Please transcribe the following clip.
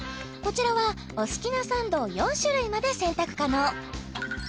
こちらはお好きなサンドを４種類まで選択可能